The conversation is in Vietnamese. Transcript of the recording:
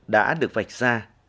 đã được vạch ra